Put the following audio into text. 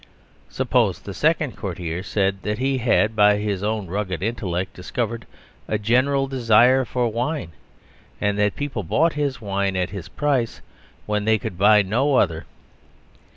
Suppose the second courtier said that he had, by his own rugged intellect, discovered a general desire for wine: and that people bought his wine at his price when they could buy no other!